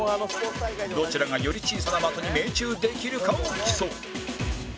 どちらがより小さな的に命中できるかを競う